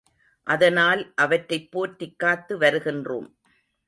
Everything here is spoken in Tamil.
அதனால் அவற்றைப் போற்றிக் காத்து வருகின்றோம்.